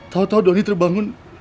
tau tau doni terbangun